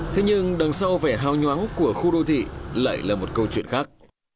thế nhưng đằng sau vẻ hào nhoáng của khu đô thị lại là một câu chuyện khác